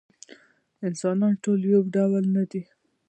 انسانان ټول یو ډول نه دي.